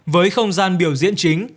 với không gian biểu diễn chính